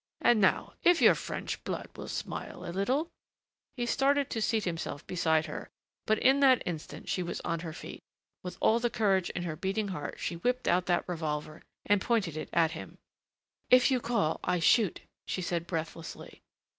And now, if your French blood will smile a little " He started to seat himself beside her, but in that instant she was on her feet. With all the courage in her beating heart she whipped out that revolver and pointed it at him. "If you call I shoot," she said breathlessly.